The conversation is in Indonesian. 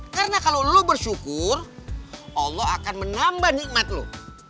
karena kalau lo bersyukur allah akan menambah nikmat lo